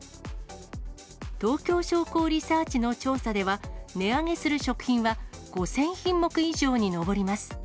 東京商工リサーチの調査では、値上げする食品は５０００品目以上に上ります。